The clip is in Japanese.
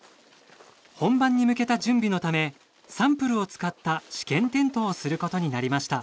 本番に向けた準備のためサンプルを使った試験点灯をすることになりました。